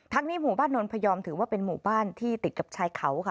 นี้หมู่บ้านนวลพยอมถือว่าเป็นหมู่บ้านที่ติดกับชายเขาค่ะ